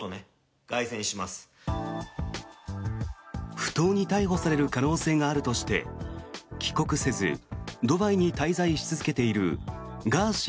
不当に逮捕される可能性があるとして帰国せずドバイに滞在し続けているガーシー